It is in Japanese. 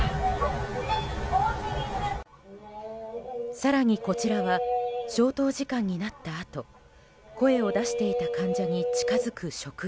更に、こちらは消灯時間になったあと声を出していた患者に近づく職員。